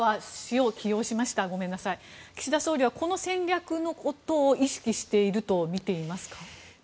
岸田総理は、この戦略のことを意識しているとみていますか？